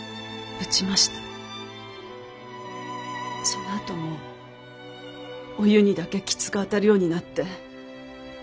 そのあともおゆうにだけきつく当たるようになって。